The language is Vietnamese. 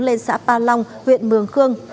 lên xã pa long huyện mương khương